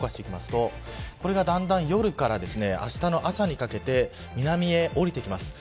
動かしていきますとこれがだんだん夜からあしたの朝にかけて南へ下りてきます。